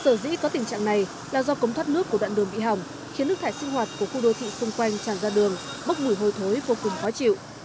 sở dĩ có tình trạng này là do cống thoát nước của đoạn đường bị hỏng khiến nước thải sinh hoạt của khu đô thị xung quanh tràn ra đường bốc mùi hôi thối vô cùng khó chịu